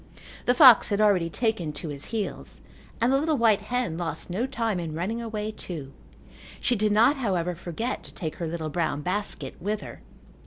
The fox had already taken to his heels and the little white hen lost no time in running away too. She did not, however, forget to take her little brown basket with her.